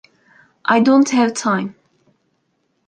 I don’t have time.